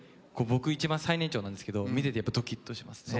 僕一番最年長なんですけど見ててドキッとしますね。